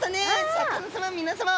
シャーク香音さま皆さま。